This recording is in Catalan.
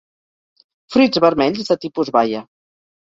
Fruits vermells de tipus baia.